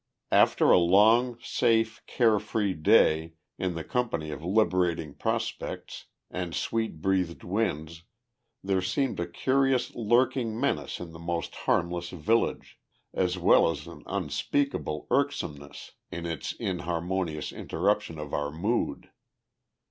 After a long, safe, care free day, in the company of liberating prospects and sweet breathed winds, there seemed a curious lurking menace in the most harmless village, as well as an unspeakable irksomeness in its inharmonious interruption of our mood.